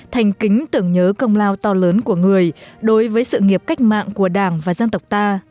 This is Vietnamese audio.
thành kính tưởng nhớ công lao to lớn của người đối với sự nghiệp cách mạng của đảng và dân tộc ta